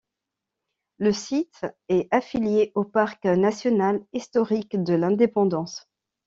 Le site est affilié au Parc national historique de l'indépendance.